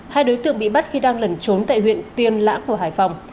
hai đối tượng bị bắt khi đang lẩn trốn tại huyện tiên lãng của hải phòng